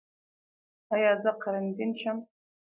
ایا زه قرنطین شم؟